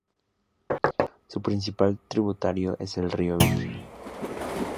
Su principal tributario es el río Virgen.